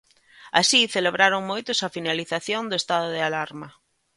Así celebraron moitos a finalización do estado de alarma.